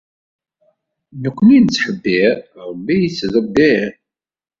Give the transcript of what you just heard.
Nekni nettḥebbir, Rebbi yettdebbir.